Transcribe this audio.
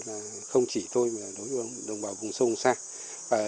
cơ quan đồng bằng của việc thông tuyến không chỉ đối với đồng bào vùng sông xa